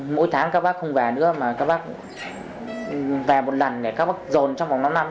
mỗi tháng các bác không về nữa mà các bác về một lần để các bác dồn trong vòng năm năm